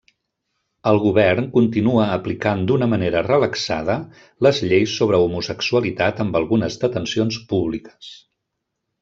El govern continua aplicant d'una manera relaxada les lleis sobre homosexualitat amb algunes detencions públiques.